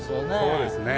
そうですね。